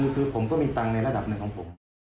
คือผมก็มีตังค์ในระดับหนึ่งของผม